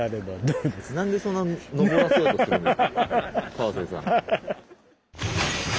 川瀬さん。